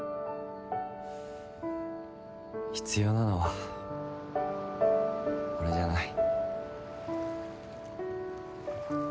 必要なのは俺じゃない。